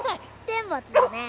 天罰だね。